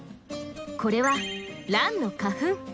これはランの花粉。